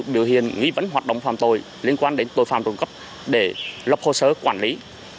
biểu hiện nghi vấn hoạt động phạm tội liên quan đến tội phạm trộm cắp để lập hồ sơ quản lý